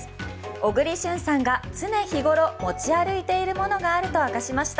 小栗旬さんが常日頃持ち歩いているものがあると明かしました。